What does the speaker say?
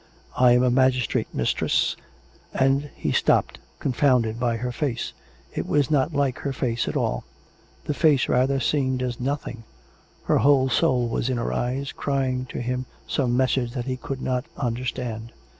I am a magistrate, mistress, and " He stopped, confounded by her face. It was not like her face at all — the face, rather, seemed as nothing; her whole soul was in her eyes, crying to him some message 422 COME RACK! COME ROPE! that he could not understand.